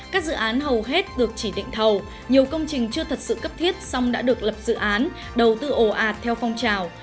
các dự án hầu hết được chỉ định thầu nhiều công trình chưa thật sự cấp thiết xong đã được lập dự án đầu tư ồ ạt theo phong trào